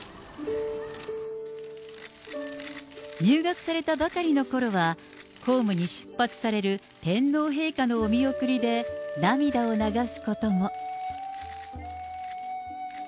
入学されたばかりのころは、公務に出発される天皇陛下のお見送りで涙を流すことも。